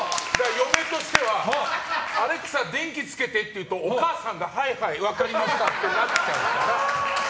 嫁としてはアレクサ電気つけてと言うとお母さんがはいはい、分かりましたってなっちゃうから。